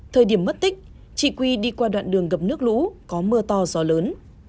thời điểm mất tích chị quy đi qua đoạn đường gặp nước lũ có mưa to gió lớn